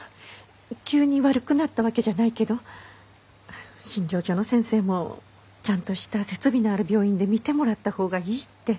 急に悪くなったわけじゃないけど診療所の先生もちゃんとした設備のある病院で診てもらった方がいいって。